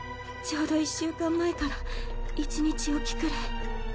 ちょうど１週間前から１日置きくらい。